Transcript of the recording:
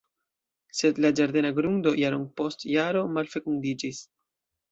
Sed la ĝardena grundo jaron post jaro malfekundiĝis.